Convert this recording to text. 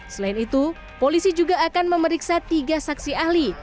selain itu polisi juga akan memeriksa tiga saksi ahli